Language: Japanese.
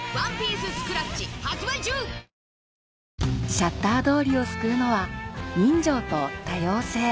シャッター通りを救うのは人情と多様性